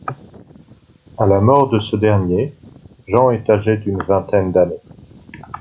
À la mort de ce dernier, Jean est âgé d'une vingtaine d'années.